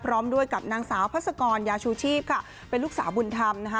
พร้อมด้วยกับนางสาวพัศกรยาชูชีพค่ะเป็นลูกสาวบุญธรรมนะคะ